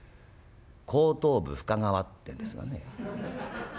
後頭部深川ってんですがね。